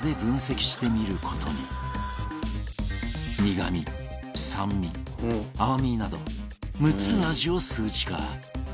苦味酸味甘味など６つの味を数値化